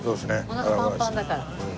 おなかパンパンだから。